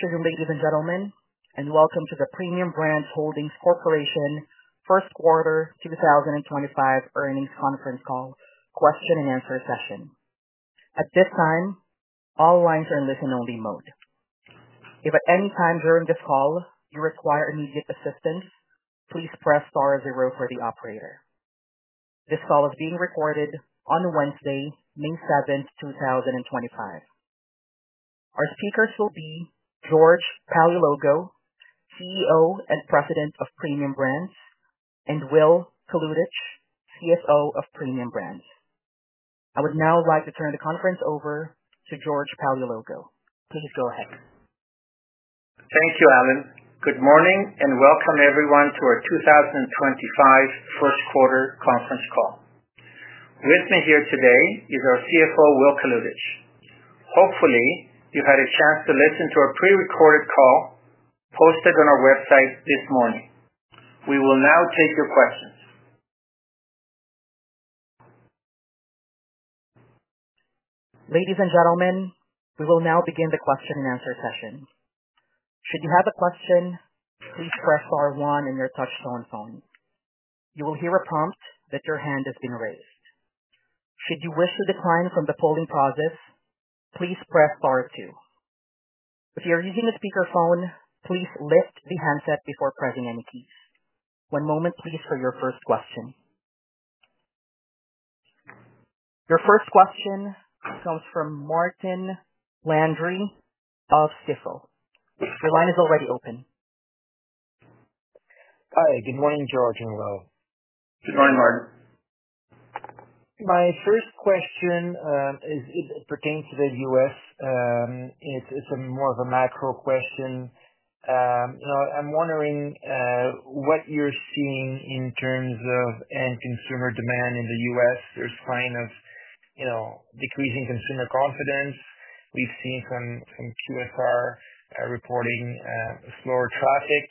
Ladies and gentlemen, and welcome to the Premium Brands Holdings Corporation First Quarter 2025 Earnings Conference Call question-and-answer session. At this time, all lines are in listen-only mode. If at any time during this call you require immediate assistance, please press star zero for the operator. This call is being recorded on Wednesday, May 7, 2025. Our speakers will be George Paleologou, CEO and President of Premium Brands, and Will Kalutycz, CFO of Premium Brands. I would now like to turn the conference over to George Paleologou. Please go ahead. Thank you, Allen. Good morning and welcome everyone to our 2025 First Quarter Conference Call. With me here today is our CFO, Will Kalutycz. Hopefully, you had a chance to listen to our pre-recorded call posted on our website this morning. We will now take your questions. Ladies and gentlemen, we will now begin the question-and-answer session. Should you have a question, please press star one on your touch-tone phone. You will hear a prompt that your hand has been raised. Should you wish to decline from the polling process, please press star two. If you are using a speakerphone, please lift the handset before pressing any keys. One moment, please, for your first question. Your first question comes from Martin Landry of Stifel Financial Corp. Your line is already open. Hi. Good morning, George and Will. Good morning, Martin. My first question is it pertains to the U.S. It's more of a macro question. I'm wondering what you're seeing in terms of end consumer demand in the U.S. There's kind of decreasing consumer confidence. We've seen some QSR reporting slower traffic.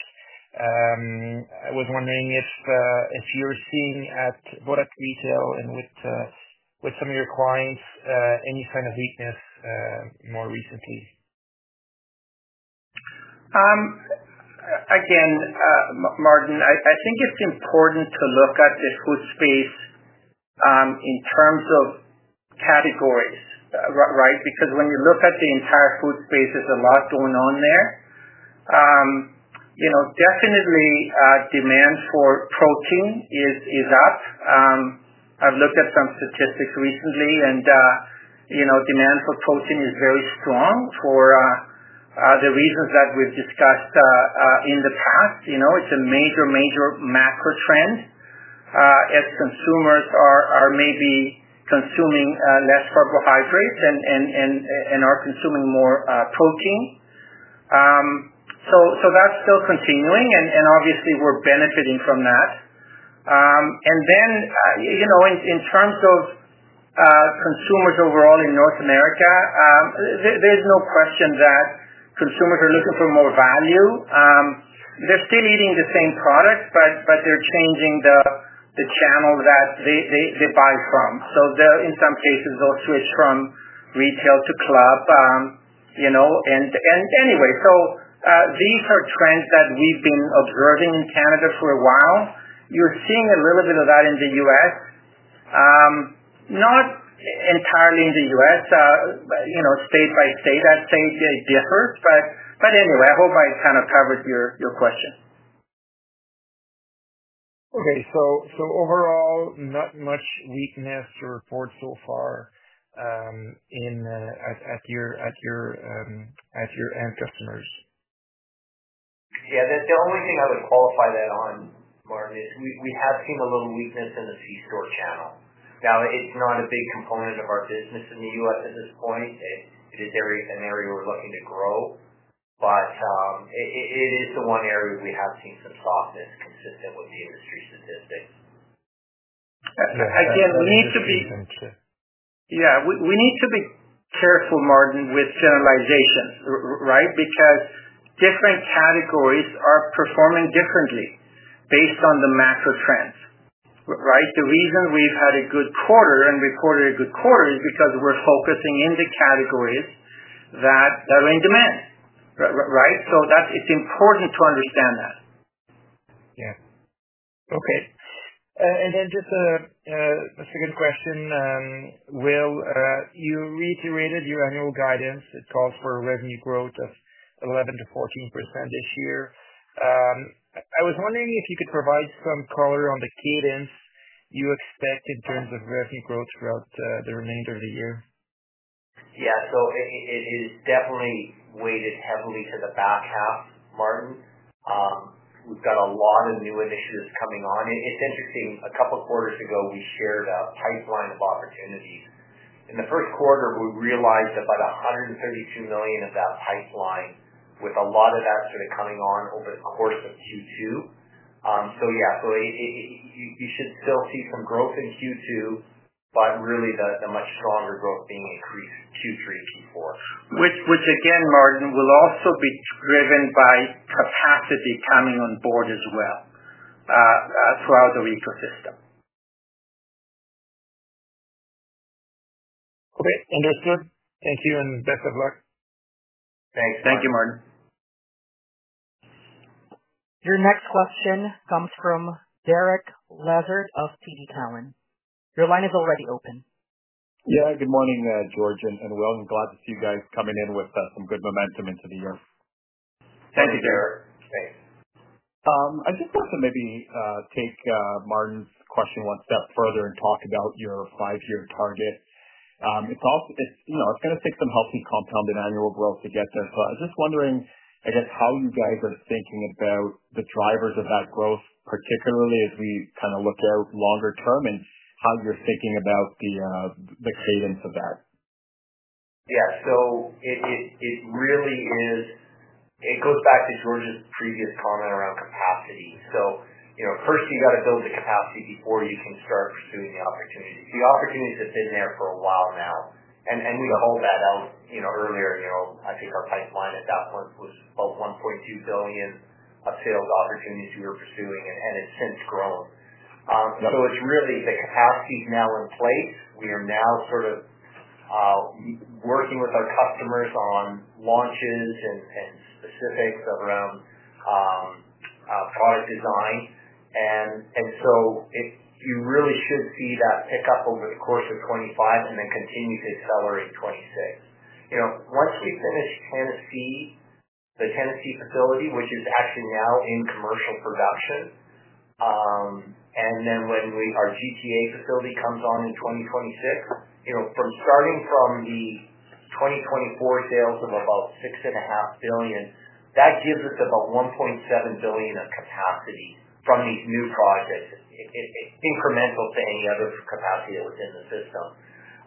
I was wondering if you're seeing at retail and with some of your clients any kind of weakness more recently. Again, Martin, I think it's important to look at the food space in terms of categories, right? Because when you look at the entire food space, there's a lot going on there. Definitely, demand for protein is up. I've looked at some statistics recently, and demand for protein is very strong for the reasons that we've discussed in the past. It's a major, major macro trend as consumers are maybe consuming less carbohydrates and are consuming more protein. That is still continuing, and obviously, we're benefiting from that. In terms of consumers overall in North America, there's no question that consumers are looking for more value. They're still eating the same products, but they're changing the channel that they buy from. In some cases, they'll switch from retail to club. These are trends that we've been observing in Canada for a while. You're seeing a little bit of that in the U.S. Not entirely in the U.S., but state by state, I'd say it differs. Anyway, I hope I kind of covered your question. Okay. So overall, not much weakness to report so far at your end customers. Yeah. The only thing I would qualify that on, Martin, is we have seen a little weakness in the C-store channel. Now, it's not a big component of our business in the U.S. at this point. It is an area we're looking to grow. It is the one area we have seen some softness consistent with the industry statistics. Again, we need to be. Yeah. We need to be careful, Martin, with generalizations, right? Because different categories are performing differently based on the macro trends, right? The reason we've had a good quarter and reported a good quarter is because we're focusing in the categories that are in demand, right? So it's important to understand that. Yeah. Okay. And then just a second question. Will, you reiterated your annual guidance. It calls for a revenue growth of 11%-14% this year. I was wondering if you could provide some color on the cadence you expect in terms of revenue growth throughout the remainder of the year. Yeah. It is definitely weighted heavily to the back half, Martin. We've got a lot of new initiatives coming on. It's interesting. A couple of quarters ago, we shared a pipeline of opportunities. In the first quarter, we realized about $132 million of that pipeline with a lot of that sort of coming on over the course of Q2. You should still see some growth in Q2, but really the much stronger growth being increased Q3, Q4. Which, again, Martin, will also be driven by capacity coming on board as well throughout the ecosystem. Okay. Understood. Thank you and best of luck. Thanks. Thank you, Martin. Your next question comes from Derek Lessard of TD Securities. Your line is already open. Yeah. Good morning, George and Will. I'm glad to see you guys coming in with some good momentum into the year. Thank you, Derek. Thanks. I just want to maybe take Martin's question one step further and talk about your five-year target. It's going to take some healthy compounded annual growth to get there. I'm just wondering, I guess, how you guys are thinking about the drivers of that growth, particularly as we kind of look at longer term and how you're thinking about the cadence of that. Yeah. It really is it goes back to George's previous comment around capacity. First, you got to build the capacity before you can start pursuing the opportunities. The opportunities have been there for a while now. We called that out earlier. I think our pipeline at that point was about 1.2 billion of sales opportunities we were pursuing, and it has since grown. It is really the capacity is now in place. We are now sort of working with our customers on launches and specifics around product design. You really should see that pick up over the course of 2025 and then continue to accelerate in 2026. Once we finish Tennessee, the Tennessee facility, which is actually now in commercial production, and then when our GTA facility comes on in 2026, starting from the 2024 sales of about 6.5 billion, that gives us about 1.7 billion of capacity from these new projects, incremental to any other capacity that was in the system.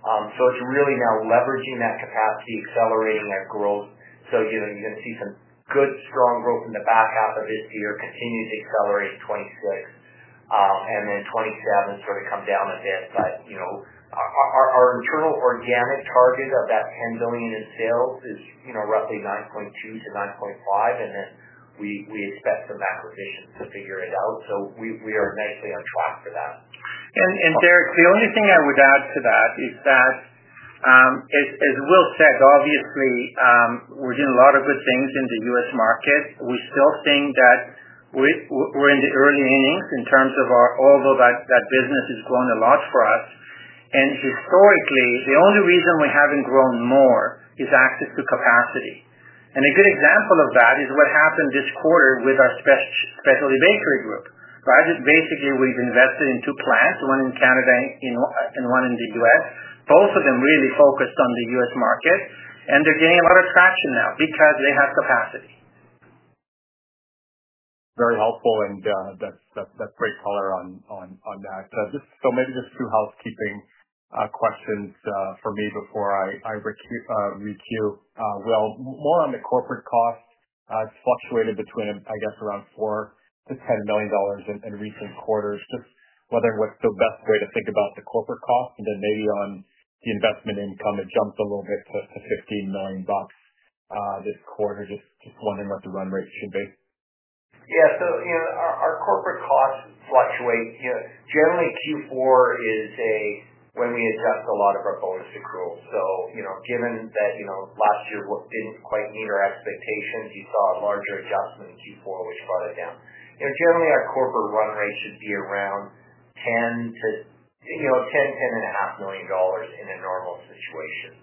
It is really now leveraging that capacity, accelerating that growth. You are going to see some good strong growth in the back half of this year, continue to accelerate in 2026, and then 2027 sort of come down a bit. Our internal organic target of that 10 billion in sales is roughly 9.2-9.5 billion, and then we expect some acquisitions to figure it out. We are nicely on track for that. Derek, the only thing I would add to that is that, as Will said, obviously, we're doing a lot of good things in the U.S. market. We still think that we're in the early innings in terms of although that business has grown a lot for us. Historically, the only reason we haven't grown more is access to capacity. A good example of that is what happened this quarter with our specialty bakery group, right? Basically, we've invested in two plants, one in Canada and one in the U.S. Both of them really focused on the U.S. market, and they're getting a lot of traction now because they have capacity. Very helpful, and that's great color on that. Maybe just two housekeeping questions for me before I recue. More on the corporate cost. It's fluctuated between, I guess, around $4 million-$10 million in recent quarters, just wondering what's the best way to think about the corporate cost. Maybe on the investment income, it jumped a little bit to $15 million this quarter. Just wondering what the run rate should be. Yeah. Our corporate costs fluctuate. Generally, Q4 is when we adjust a lot of our bonus accrual. Given that last year did not quite meet our expectations, you saw a larger adjustment in Q4, which brought it down. Generally, our corporate run rate should be around $10 million-$10.5 million in a normal situation.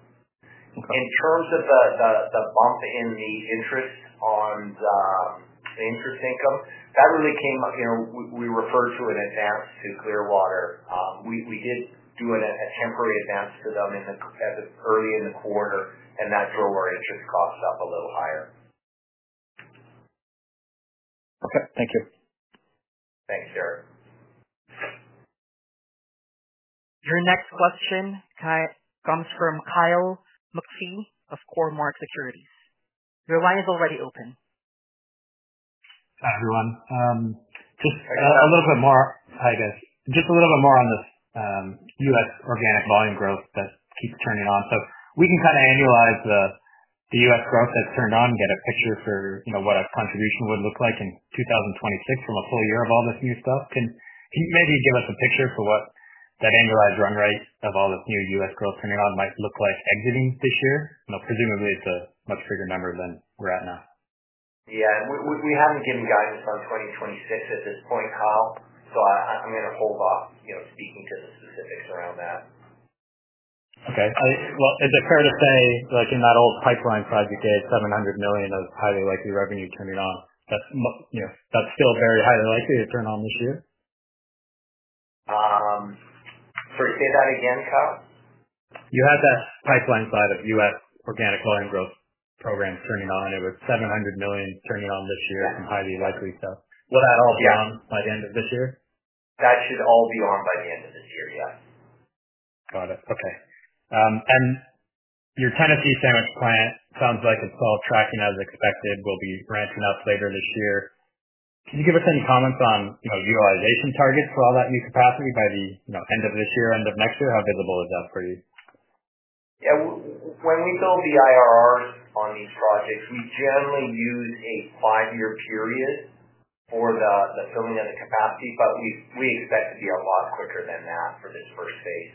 In terms of the bump in the interest on the interest income, that really came when we referred to an advance to Clearwater. We did do a temporary advance to them early in the quarter, and that drove our interest costs up a little higher. Okay. Thank you. Thanks, Derek. Your next question comes from Kyle McPhee of Cormark Securities. Your line is already open. Hi, everyone. Just a little bit more, hi, guys. Just a little bit more on this U.S. organic volume growth that keeps turning on. So we can kind of annualize the U.S. growth that's turned on and get a picture for what a contribution would look like in 2026 from a full year of all this new stuff. Can you maybe give us a picture for what that annualized run rate of all this new U.S. growth turning on might look like exiting this year? Presumably, it's a much bigger number than we're at now. Yeah. We haven't given guidance on 2026 at this point, Kyle. So I'm going to hold off speaking to the specifics around that. Okay. Is it fair to say in that old pipeline project they had $700 million of highly likely revenue turning on, that's still very highly likely to turn on this year? Sorry, say that again, Kyle? You had that pipeline side of U.S. organic volume growth programs turning on. It was $700 million turning on this year from highly likely stuff. Will that all be on by the end of this year? That should all be on by the end of this year, yeah. Got it. Okay. Your Tennessee sandwich plant sounds like it's all tracking as expected. We'll be branching up later this year. Can you give us any comments on utilization targets for all that new capacity by the end of this year, end of next year? How visible is that for you? Yeah. When we build the IRRs on these projects, we generally use a five-year period for the filling of the capacity, but we expect to be a lot quicker than that for this first phase.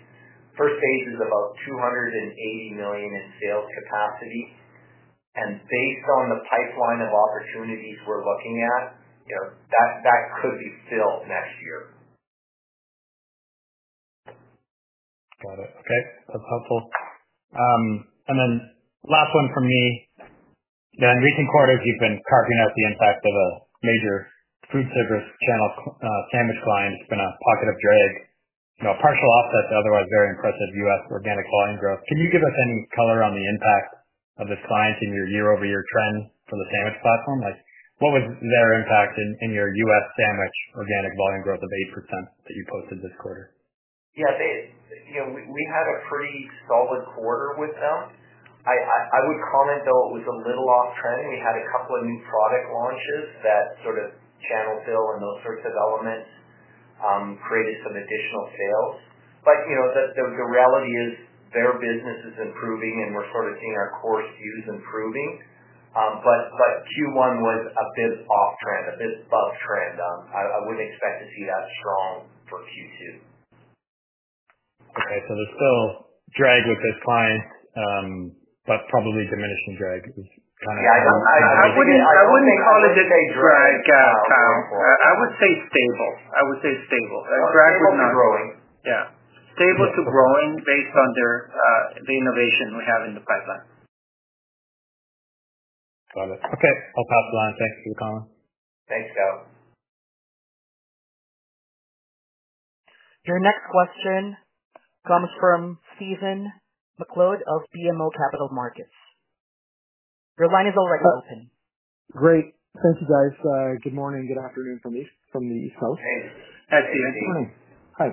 First phase is about $280 million in sales capacity. And based on the pipeline of opportunities we're looking at, that could be filled next year. Got it. Okay. That's helpful. Last one from me. In recent quarters, you've been carving out the impact of a major food service channel sandwich client. It's been a pocket of drag, a partial offset to otherwise very impressive U.S. organic volume growth. Can you give us any color on the impact of this client in your year-over-year trend for the sandwich platform? What was their impact in your U.S. sandwich organic volume growth of 8% that you posted this quarter? Yeah. We had a pretty solid quarter with them. I would comment, though, it was a little off-trend. We had a couple of new product launches that sort of channel fill and those sorts of elements created some additional sales. The reality is their business is improving, and we're sort of seeing our core SKUs improving. Q1 was a bit off-trend, a bit above trend. I wouldn't expect to see that strong for Q2. Okay. So there's still drag with this client, but probably diminishing drag is kind of. Yeah. I wouldn't call it a drag. I would say stable. I would say stable. Drag was not. Stable to growing. Yeah. Stable to growing based on the innovation we have in the pipeline. Got it. Okay. I'll pass the line. Thanks for the comment. Thanks, Kyle. Your next question comes from Stephen McLeod of BMO Capital Markets. Your line is already open. Great. Thank you, guys. Good morning and good afternoon from the East Coast. Hey. Hi, Stephen. Good morning. Hi.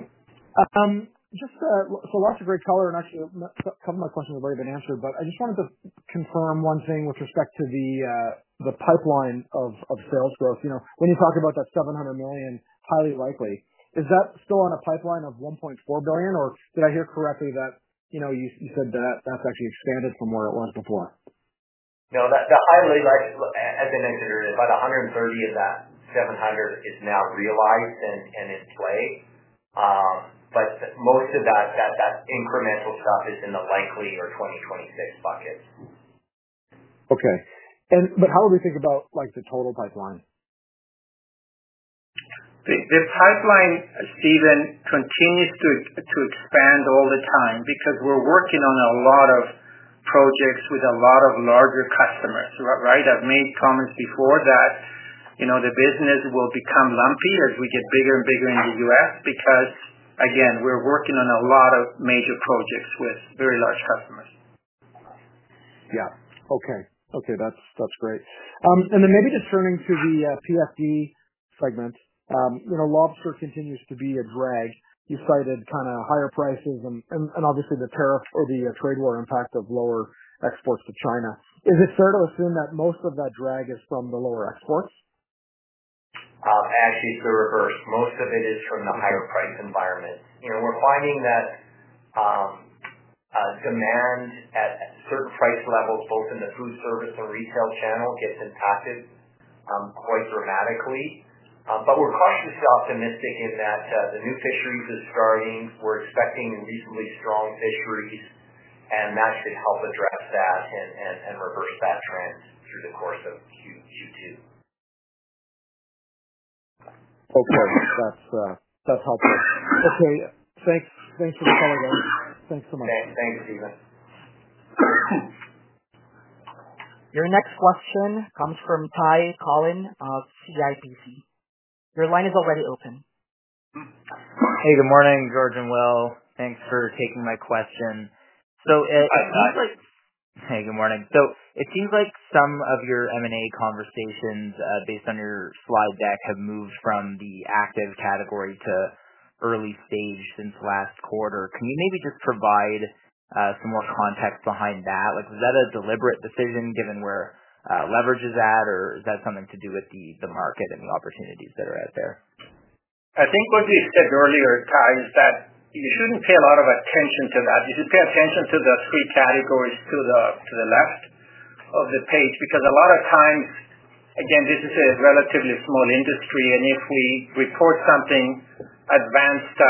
Lots of great color. Actually, a couple of my questions have already been answered, but I just wanted to confirm one thing with respect to the pipeline of sales growth. When you talk about that $700 million highly likely, is that still on a pipeline of $1.4 billion, or did I hear correctly that you said that that has actually expanded from where it was before? No. As I mentioned earlier, about 130 of that 700 is now realized and in play. Most of that incremental stuff is in the likely or 2026 bucket. Okay. How do we think about the total pipeline? The pipeline, Stephen, continues to expand all the time because we're working on a lot of projects with a lot of larger customers, right? I've made comments before that the business will become lumpy as we get bigger and bigger in the U.S. because, again, we're working on a lot of major projects with very large customers. Yeah. Okay. Okay. That's great. Maybe just turning to the PFD segment. Lobster continues to be a drag. You cited kind of higher prices and obviously the tariff or the trade war impact of lower exports to China. Is it fair to assume that most of that drag is from the lower exports? Actually, it's the reverse. Most of it is from the higher price environment. We're finding that demand at certain price levels, both in the food service and retail channel, gets impacted quite dramatically. We're cautiously optimistic in that the new fisheries are starting. We're expecting reasonably strong fisheries, and that should help address that and reverse that trend through the course of Q2. Okay. That's helpful. Okay. Thanks for the call, guys. Thanks so much. Thanks, Stephen. Your next question comes from Ty Collin of CIBC World Markets. Your line is already open. Hey, good morning, George and Will. Thanks for taking my question. It seems like. Hey, good morning. It seems like some of your M&A conversations based on your slide deck have moved from the active category to early stage since last quarter. Can you maybe just provide some more context behind that? Was that a deliberate decision given where leverage is at, or is that something to do with the market and the opportunities that are out there? I think what we said earlier, Ty, is that you shouldn't pay a lot of attention to that. You should pay attention to the three categories to the left of the page because a lot of times, again, this is a relatively small industry, and if we report something advanced,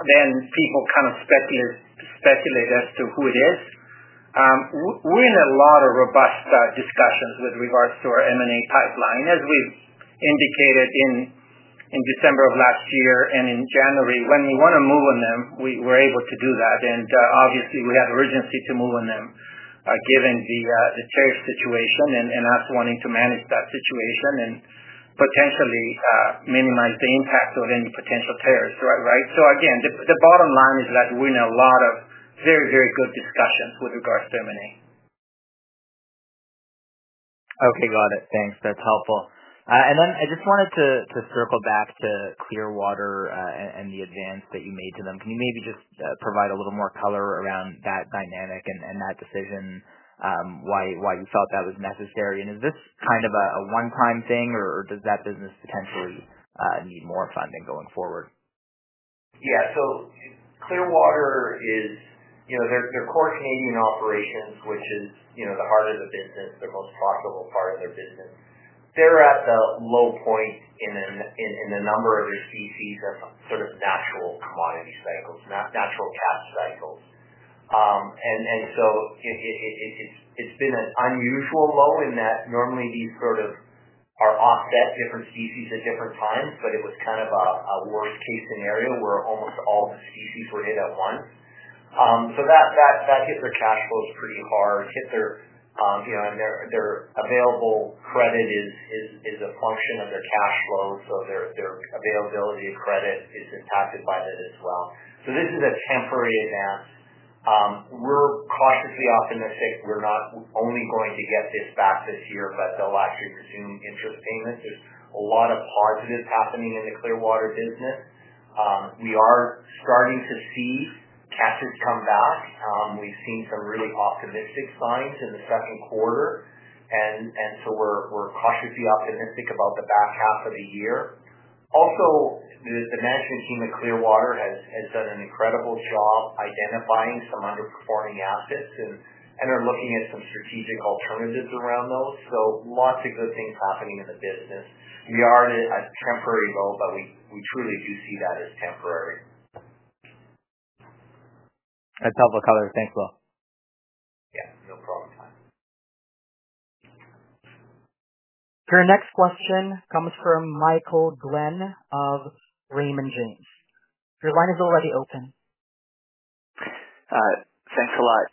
then people kind of speculate as to who it is. We're in a lot of robust discussions with regards to our M&A pipeline. As we've indicated in December of last year and in January, when we want to move on them, we we're able to do that. Obviously, we had urgency to move on them given the tariff situation and us wanting to manage that situation and potentially minimize the impact of any potential tariffs, right? Again, the bottom line is that we're in a lot of very, very good discussions with regards to M&A. Okay. Got it. Thanks. That's helpful. I just wanted to circle back to Clearwater and the advance that you made to them. Can you maybe just provide a little more color around that dynamic and that decision, why you felt that was necessary? Is this kind of a one-time thing, or does that business potentially need more funding going forward? Yeah. Clearwater, their core Canadian operations, which is the heart of the business, their most profitable part of their business, they're at the low point in the number of their species and sort of natural commodity cycles, natural cash cycles. It has been an unusual low in that normally these sort of are offset, different species at different times, but it was kind of a worst-case scenario where almost all the species were hit at once. That hit their cash flows pretty hard, and their available credit is a function of their cash flow. Their availability of credit is impacted by that as well. This is a temporary advance. We're cautiously optimistic. We're not only going to get this back this year, but they'll actually resume interest payments. There's a lot of positives happening in the Clearwater business. We are starting to see cashes come back. We've seen some really optimistic signs in the second quarter. We are cautiously optimistic about the back half of the year. Also, the management team at Clearwater has done an incredible job identifying some underperforming assets and are looking at some strategic alternatives around those. Lots of good things happening in the business. We are at a temporary low, but we truly do see that as temporary. That's helpful color. Thanks, Will. Yeah. No problem, Kyle. Your next question comes from Michael Glen of Raymond James. Your line is already open. Thanks a lot.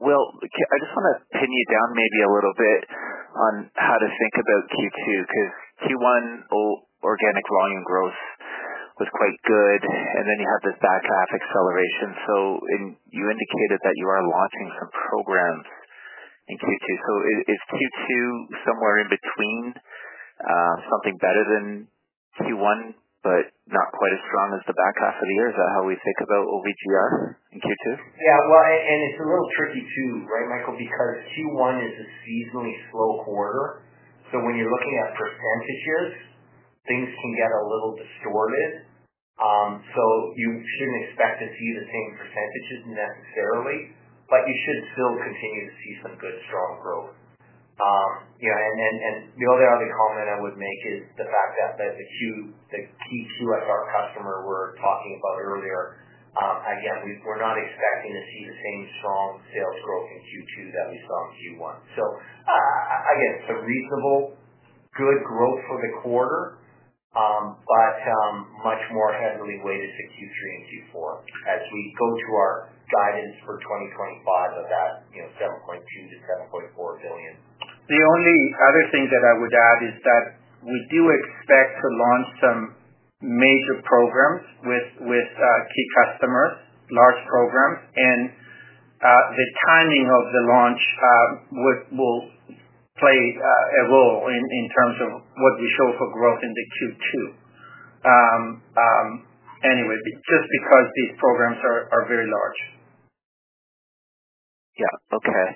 Will, I just want to pin you down maybe a little bit on how to think about Q2 because Q1 organic volume growth was quite good, and then you had this back half acceleration. You indicated that you are launching some programs in Q2. Is Q2 somewhere in between something better than Q1, but not quite as strong as the back half of the year? Is that how we think about OVGR in Q2? Yeah. It is a little tricky too, right, Michael, because Q1 is a seasonally slow quarter. When you're looking at percentages, things can get a little distorted. You shouldn't expect to see the same percentages necessarily, but you should still continue to see some good strong growth. The other comment I would make is the fact that the key QSR customer we're talking about earlier, again, we're not expecting to see the same strong sales growth in Q2 that we saw in Q1. It is a reasonable good growth for the quarter, but much more heavily weighted to Q3 and Q4 as we go to our guidance for 2025 of that 7.2 billion-7.4 billion. The only other thing that I would add is that we do expect to launch some major programs with key customers, large programs. The timing of the launch will play a role in terms of what we show for growth in the Q2. Anyway, just because these programs are very large. Yeah. Okay.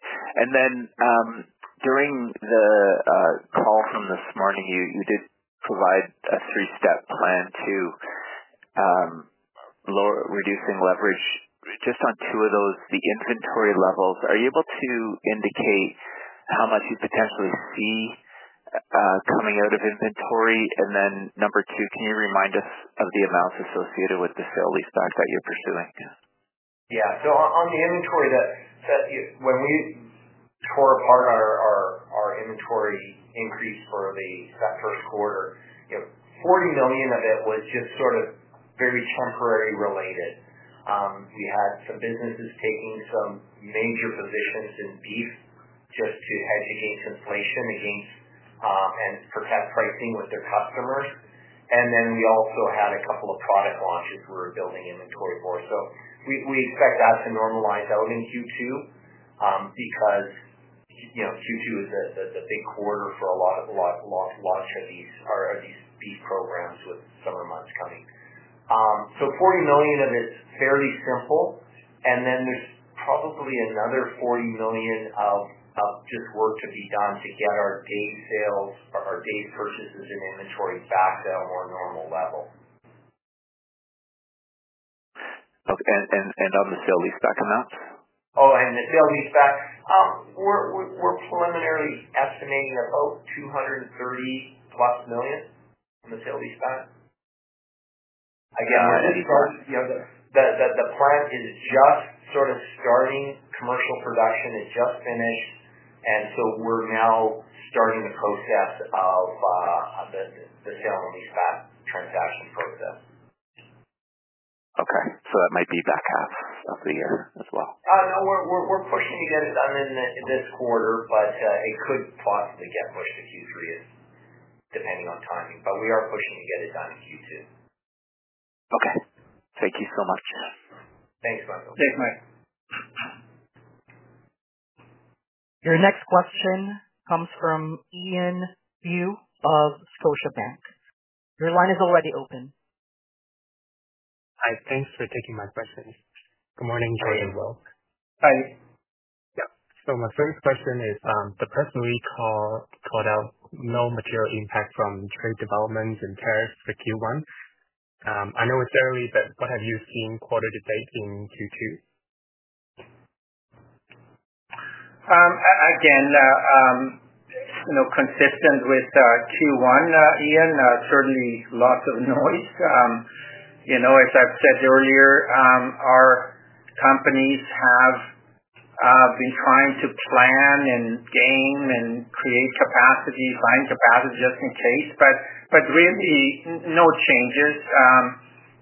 During the call from this morning, you did provide a three-step plan to reducing leverage. Just on two of those, the inventory levels, are you able to indicate how much you potentially see coming out of inventory? Number two, can you remind us of the amounts associated with the sale-leaseback that you're pursuing? Yeah. On the inventory, when we tore apart our inventory increase for that first quarter, 40 million of it was just sort of very temporary related. We had some businesses taking some major positions in beef just to hedge against inflation and protect pricing with their customers. We also had a couple of product launches we were building inventory for. We expect that to normalize out in Q2 because Q2 is the big quarter for a lot of launch of these beef programs with summer months coming. 40 million of it is fairly simple. There is probably another 40 million of just work to be done to get our day sales, our day purchases, and inventory back to a more normal level. Of the sale-leaseback amounts? Oh, and the sale-leaseback, we're preliminarily estimating about 230 million-plus on the sale-leaseback. Again, we're just starting. The plant is just sort of starting. Commercial production has just finished. We are now starting the process of the sale and leaseback transaction process. Okay. So that might be back half of the year as well. No, we're pushing to get it done in this quarter, but it could possibly get pushed to Q3 depending on timing. We are pushing to get it done in Q2. Okay. Thank you so much. Thanks, Michael. Thanks, Mike. Your next question comes from Ian Liu of Scotiabank. Your line is already open. Hi. Thanks for taking my question. Good morning, George and Will. Hi. So my first question is the person we called out no material impact from trade developments and tariffs for Q1. Unnecessarily, but what have you seen quarter to date in Q2? Again, consistent with Q1, Ian, certainly lots of noise. As I've said earlier, our companies have been trying to plan and game and create capacity, find capacity just in case, but really no changes.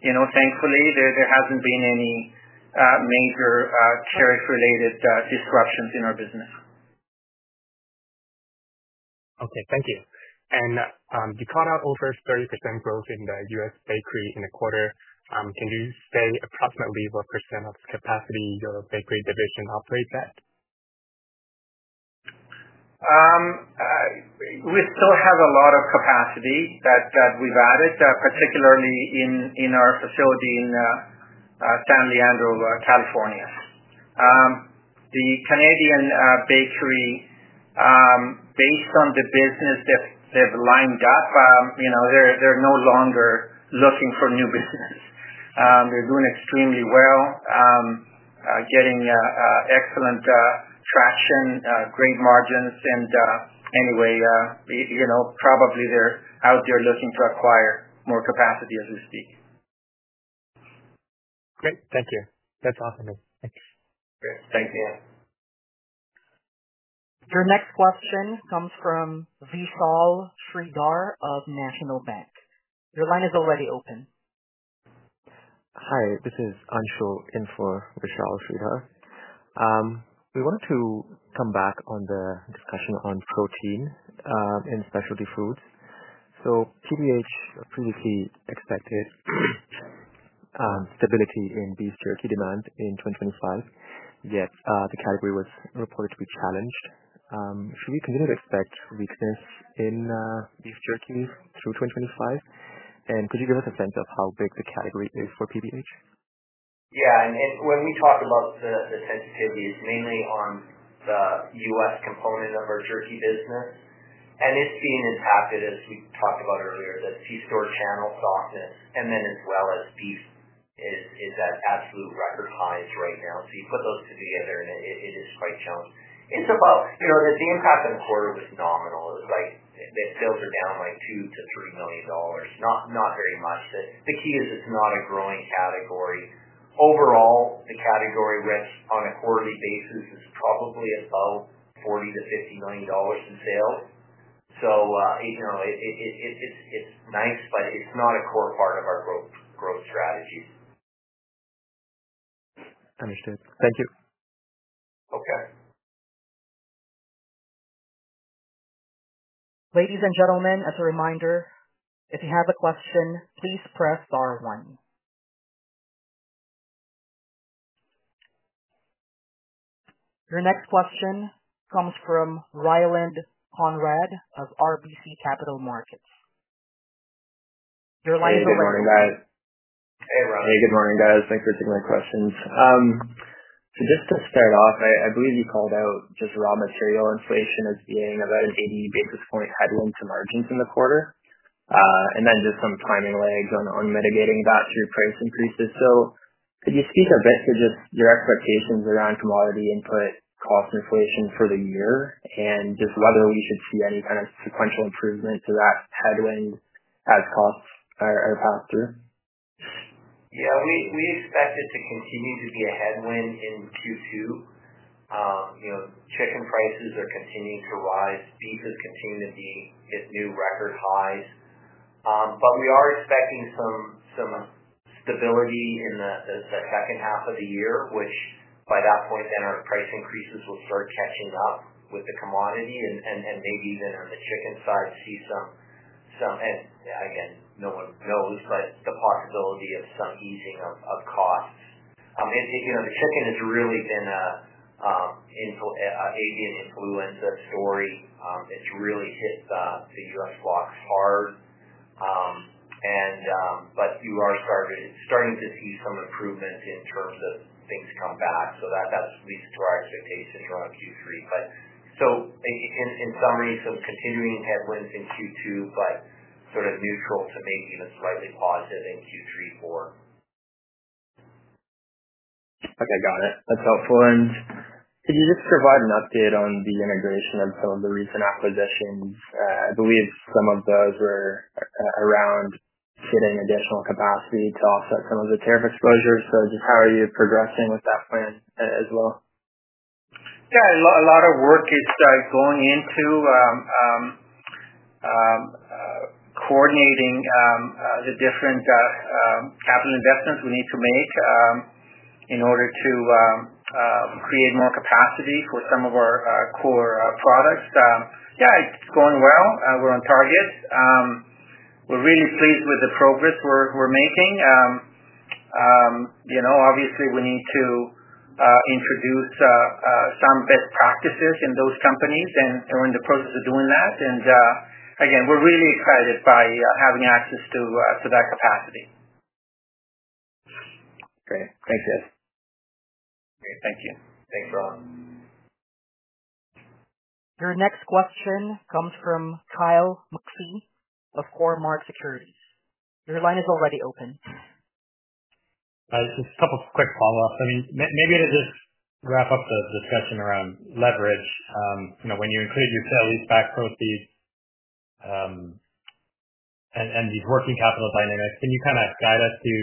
Thankfully, there hasn't been any major tariff-related disruptions in our business. Okay. Thank you. You called out over 30% growth in the U.S. bakery in the quarter. Can you say approximately what percent of capacity your bakery division operates at? We still have a lot of capacity that we've added, particularly in our facility in San Leandro, California. The Canadian bakery, based on the business they've lined up, they're no longer looking for new business. They're doing extremely well, getting excellent traction, great margins. Anyway, probably they're out there looking to acquire more capacity as we speak. Great. Thank you. That's awesome. Thanks. Great. Thanks, Ian. Your next question comes from Vishal Shreedhar of National Bank Financial. Your line is already open. Hi. This is Anshu in for Vishal Shreedhar. We wanted to come back on the discussion on protein in specialty foods. PBH previously expected stability in beef jerky demand in 2025, yet the category was reported to be challenged. Should we continue to expect weakness in beef jerky through 2025? Could you give us a sense of how big the category is for PBH? Yeah. When we talk about the sensitivity, it's mainly on the U.S. component of our jerky business. It's being impacted, as we talked about earlier, the C-store channel softness, and then as well as beef is at absolute record highs right now. You put those two together, and it is quite challenging. The impact in the quarter was nominal. Sales are down $2 million-$3 million. Not very much. The key is it's not a growing category. Overall, the category risk on a quarterly basis is probably about $40 million-$50 million in sales. It's nice, but it's not a core part of our growth strategies. Understood. Thank you. Okay. Ladies and gentlemen, as a reminder, if you have a question, please press star one. Your next question comes from Ryland Conrad of RBC Capital Markets. Your line is already open. Hey. Good morning, guys. Hey, Ryland. Hey. Good morning, guys. Thanks for taking my questions. Just to start off, I believe you called out just raw material inflation as being about an 80 basis point headwind to margins in the quarter. Then just some timing lags on mitigating that through price increases. Could you speak a bit to just your expectations around commodity input cost inflation for the year and just whether we should see any kind of sequential improvement to that headwind as costs are passed through? Yeah. We expect it to continue to be a headwind in Q2. Chicken prices are continuing to rise. Beef is continuing to hit new record highs. We are expecting some stability in the second half of the year, which by that point, then our price increases will start catching up with the commodity and maybe even on the chicken side see some—and again, no one knows—but the possibility of some easing of costs. The chicken has really been an avian influenza story. It has really hit the U.S. flocks hard. You are starting to see some improvement in terms of things come back. That leads to our expectations around Q3. In summary, some continuing headwinds in Q2, but sort of neutral to maybe even slightly positive in Q3-Q4. Okay. Got it. That's helpful. Could you just provide an update on the integration of some of the recent acquisitions? I believe some of those were around getting additional capacity to offset some of the tariff exposures. Just how are you progressing with that plan as well? Yeah. A lot of work is going into coordinating the different capital investments we need to make in order to create more capacity for some of our core products. Yeah. It's going well. We're on target. We're really pleased with the progress we're making. Obviously, we need to introduce some best practices in those companies and are in the process of doing that. We're really excited by having access to that capacity. Great. Thanks, Ian. Great. Thank you. Thanks, Ryland. Your next question comes from Kyle McPhee of Cormark Securities. Your line is already open. Just a couple of quick follow-ups. I mean, maybe to just wrap up the discussion around leverage, when you include your sale-leaseback proceeds and these working capital dynamics, can you kind of guide us to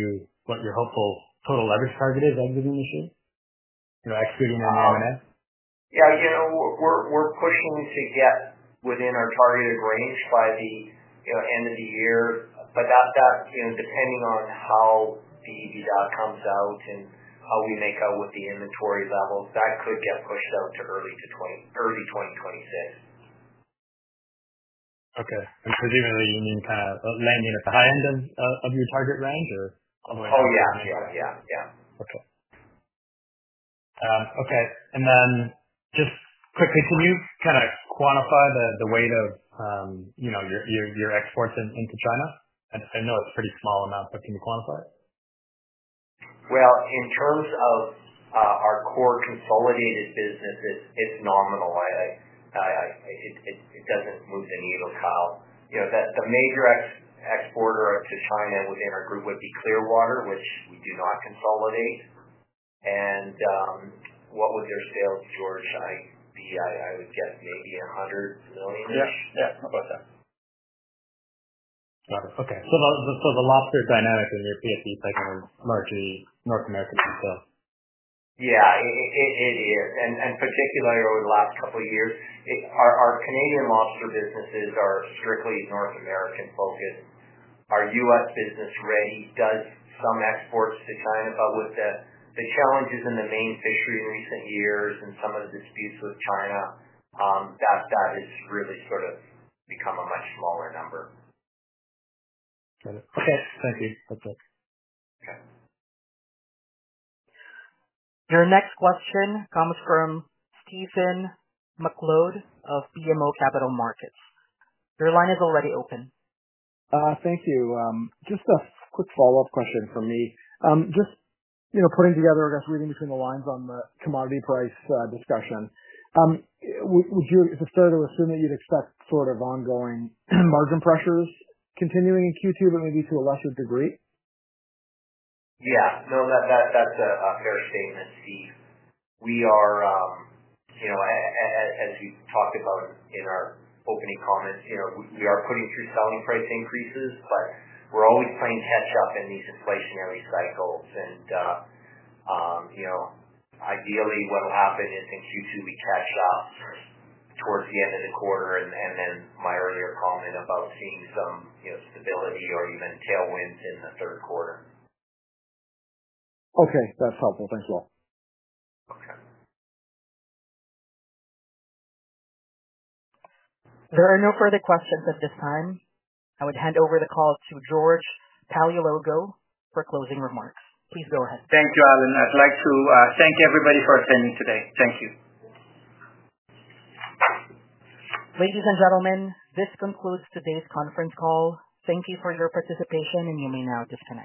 what your hopeful total leverage target is exiting this year? Excluding M&A. Yeah. We're pushing to get within our targeted range by the end of the year. Depending on how the EBITDA comes out and how we make out with the inventory levels, that could get pushed out to early 2026. Okay. And presumably, you mean kind of landing at the high end of your target range or otherwise? Oh, yeah. Okay. Okay. And then just quickly, can you kind of quantify the weight of your exports into China? I know it's a pretty small amount, but can you quantify it? In terms of our core consolidated business, it's nominal. It doesn't move the needle, Kyle. The major exporter to China within our group would be Clearwater, which we do not consolidate. And what would their sales, George? I would guess maybe $100 million-ish. Yeah. Yeah. How about that? Got it. Okay. So the lobster dynamic in your PFD segment is largely North American retail. Yeah. It is. Particularly over the last couple of years, our Canadian lobster businesses are strictly North American focused. Our U.S. business already does some exports to China. With the challenges in the main fishery in recent years and some of the disputes with China, that has really sort of become a much smaller number. Got it. Okay. Thank you. That's it. Okay. Your next question comes from Stephen McLeod of BMO Capital Markets. Your line is already open. Thank you. Just a quick follow-up question from me. Just putting together, I guess, reading between the lines on the commodity price discussion, would you sort of assume that you'd expect sort of ongoing margin pressures continuing in Q2, but maybe to a lesser degree? Yeah. No, that's a fair statement. See, we are, as we talked about in our opening comments, we are putting through selling price increases, but we're always playing catch-up in these inflationary cycles. Ideally, what'll happen is in Q2, we catch up towards the end of the quarter. Then my earlier comment about seeing some stability or even tailwinds in the third quarter. Okay. That's helpful. Thanks a lot. Okay. There are no further questions at this time. I would hand over the call to George Paleologou for closing remarks. Please go ahead. Thank you, Allen. I'd like to thank everybody for attending today. Thank you. Ladies and gentlemen, this concludes today's conference call. Thank you for your participation, and you may now disconnect.